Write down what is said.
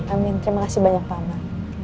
amin terima kasih banyak pak amar